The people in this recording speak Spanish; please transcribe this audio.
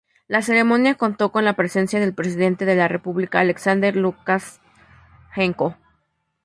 La ceremonia contó con la presencia del presidente de la República Alexander Lukashenko.